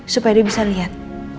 supaya dia bisa lihat